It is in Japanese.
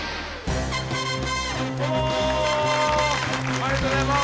ありがとうございます。